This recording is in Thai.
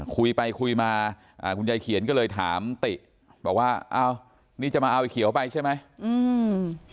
คุยไปคุยมาอ่าคุณยายเขียนก็เลยถามติบอกว่าอ้าวนี่จะมาเอาเขียวไปใช่ไหมอืม